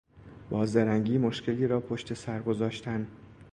با زرنگی مشکلی را پشت سر گذاشتن